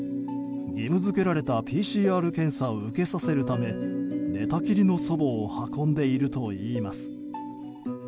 義務付けられたＰＣＲ検査を受けさせるため寝たきりの祖母を運んでいるといいます。